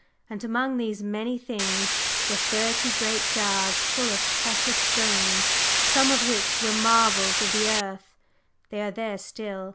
And among these many things were thirty great jars full of precious stones, some of which were marvels of the earth. They are there still!